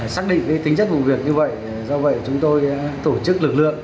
xác định tính chất vụ việc như vậy do vậy chúng tôi tổ chức lực lượng